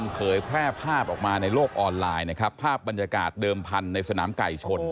เผยแพร่ภาพออกมาในโลกออนไลน์นะครับภาพบรรยากาศเดิมพันธุ์ในสนามไก่ชน